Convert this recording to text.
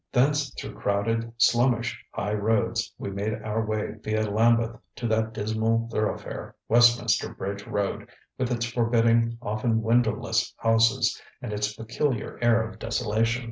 Thence through crowded, slummish high roads we made our way via Lambeth to that dismal thoroughfare, Westminster Bridge Road, with its forbidding, often windowless, houses, and its peculiar air of desolation.